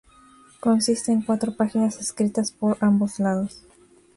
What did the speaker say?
Consiste en cuatro páginas escritas por ambos lados.